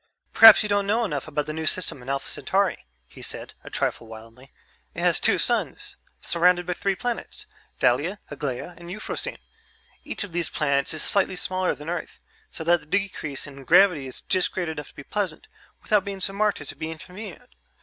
"Perhaps you don't know enough about the new system in Alpha Centauri," he said, a trifle wildly. "It has two suns surrounded by three planets, Thalia, Aglaia, and Euphrosyne. Each of these planets is slightly smaller than Earth, so that the decrease in gravity is just great enough to be pleasant, without being so marked as to be inconvenient.